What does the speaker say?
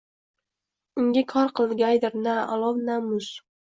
Unga kor qilgaydir na olov, na muz.